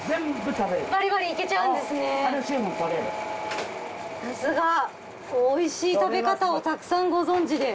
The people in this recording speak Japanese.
さすがおいしい食べ方をたくさんご存じで。